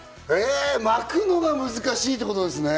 巻くのが難しいってことですね。